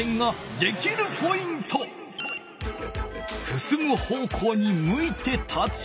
すすむ方向にむいて立つ。